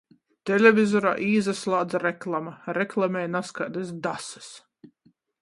Televizorā īsaslādz reklama. Reklamej nazkaidys dasys.